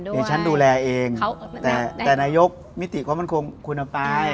ได้ฉันดูแลเองแต่ในนายกมิติก็คงคุณภัย